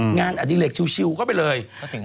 อดิเลกชิลเข้าไปเลย